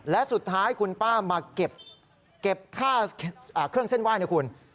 และสุดท้ายคุณป้ามาเก็บเครื่องเส้นไหว้